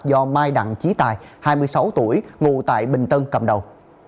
do mai đặng trí tài hai mươi sáu tuổi ngụ tại bình tân cầm đầu